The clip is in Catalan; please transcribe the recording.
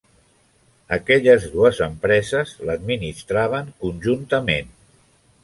Aquelles dues empreses l'administraven conjuntament.